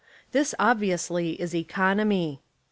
This obviously is economy.